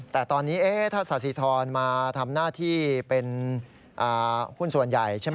แต่ตอนนี้ถ้าสาธิธรมาทำหน้าที่เป็นหุ้นส่วนใหญ่ใช่ไหม